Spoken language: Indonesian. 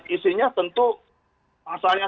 isinya tentu masalahnya